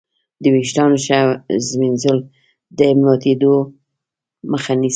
د وېښتانو ښه ږمنځول د ماتېدو مخه نیسي.